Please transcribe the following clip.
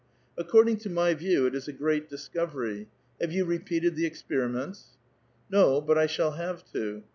" According to my view it is a great discovery. Have you repeated the experiments ?"'' No ; but I shall have to."